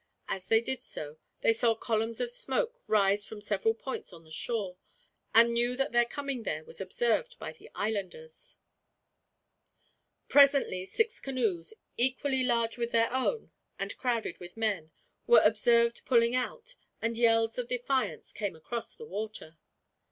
As they did so, they saw columns of smoke rise from several points of the shore, and knew that their coming there was observed by the islanders. Presently six canoes, equally large with their own and crowded with men, were observed pulling out, and yells of defiance came across the water.